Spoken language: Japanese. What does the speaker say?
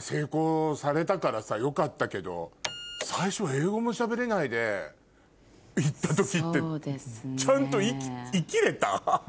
成功されたからさよかったけど最初は英語もしゃべれないで行った時ってちゃんと生きれた？